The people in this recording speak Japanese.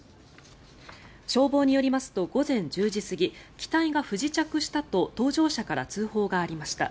消防によりますと午前１０時過ぎ期待が不時着したと搭乗者から通報がありました。